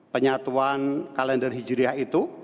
penyatuan kalender hijriyah itu